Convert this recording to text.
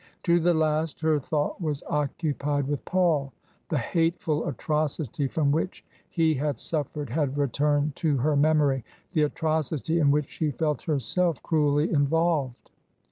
To the last her thought was occupied with Paul ; the hateful atrocity from which he had suffered had returned to her memory — the atrocity in which she felt herself cruelly involved.